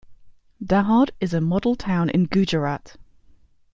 Dahod is a model town in Gujarat.